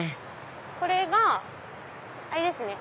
これがあれですね